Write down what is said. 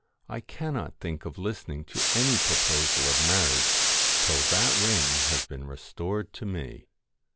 I cannot think of listening to any proposal of marriage till that ring has been restored to me.'